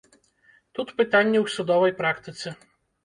Тут пытанне ў судовай практыцы.